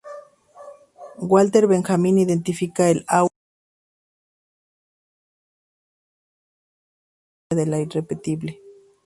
Walter Benjamin identifica el aura con la singularidad, la experiencia de lo irrepetible.